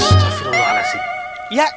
ya jawabannya itu sekarang ya